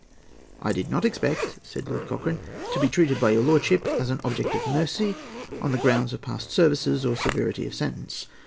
"I did not expect," said Lord Cochrane, "to be treated by your lordship as an object of mercy, on the grounds of past services, or severity of sentence.